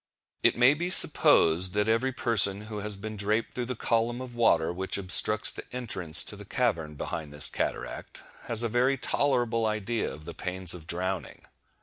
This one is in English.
It may be supposed that every person who has been draped through the column of water which obstructs the entrance to the cavern behind this cataract, has a very tolerable idea of the pains of drowning.